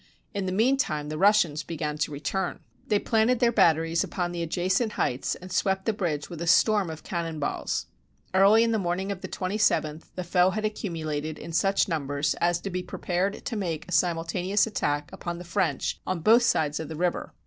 In the mean time the Russians began to return. They planted 12S THE CROSSING OF THE BERESINA RIVER their batteries upon the adjacent heights, and swept the bridge with a storm of cannon balls. Early in the morn ing of the 27th, the foe had accumulated in such num bers as to be prepared to make a simultaneous attack upon the French on both sides of the river.